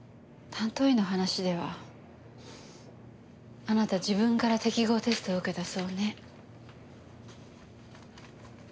担当医の話ではあなた自分から適合テストを受けたそうね。